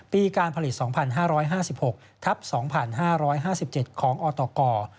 การผลิต๒๕๕๖ทับ๒๕๕๗ของอตก